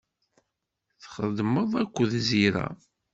Txeddmeḍ akked Zira.